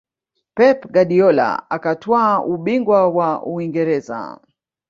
Pep Guardiola akatwaa ubingwa wa Uingereza